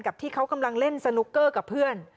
ที่เขากำลังเล่นสนุกเกอร์กับเพื่อน